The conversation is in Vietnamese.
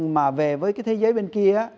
mà về với thế giới bên kia